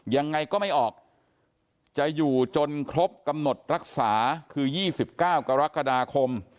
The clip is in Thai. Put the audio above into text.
ยังไงก็ไม่ออกจะอยู่จนครบกำหนดรักษาคือ๒๙กรกฎาคม